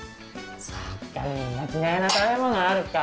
みんな嫌いな食べ物あるか。